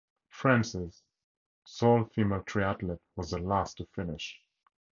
France's sole female triathlete was the last to finish.